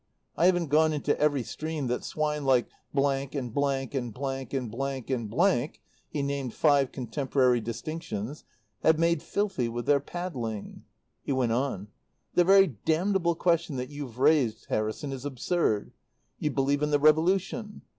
I haven't gone into every stream that swine like and and and and " (he named five contemporary distinctions) "have made filthy with their paddling." He went on. "The very damnable question that you've raised, Harrison, is absurd. You believe in the revolution.